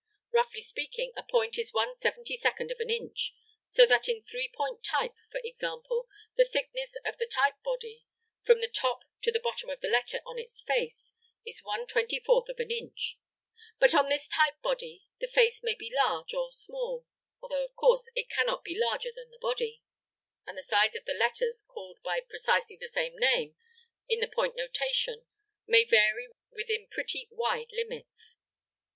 Roughly speaking, a point is one seventy second of an inch, so that in three point type, for example, the thickness of the type body, from the top to the bottom of the letter on its face, is one twenty fourth of an inch. But on this type body the face may be large or small although of course, it cannot be larger than the body, and the size of the letters called by precisely the same name in the point notation may vary within pretty wide limits.